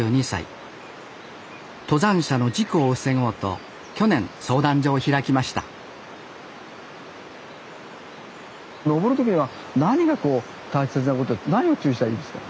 登山者の事故を防ごうと去年相談所を開きました登る時には何がこう大切なこと何を注意したらいいですか？